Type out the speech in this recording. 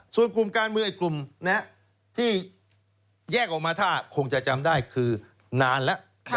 ส่วนกลุ่มการเมืองอีกกลุ่มที่แยกออกมาถ้าคงจะจำได้คือนานแล้ว